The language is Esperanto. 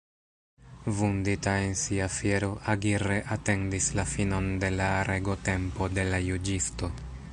Vundita en sia fiero, Aguirre atendis la finon de la regotempo de la juĝisto.